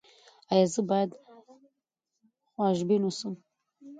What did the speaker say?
ایا زه باید خوشبین اوسم؟